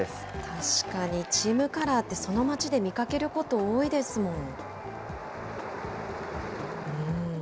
確かに、チームカラーってその町で見かけること多いですもん。